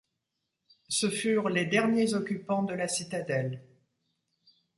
Ce furent les derniers occupants de la citadelle.